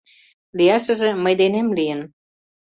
Лияшыже мый денем лийын...